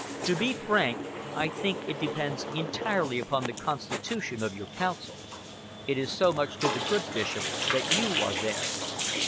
To be frank, I think it depends entirely upon the constitution of your Council. It is so much to the good, Bishop, that you are there."